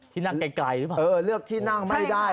ที่นั่งไกลหรือเปล่าเออเลือกที่นั่งไม่ได้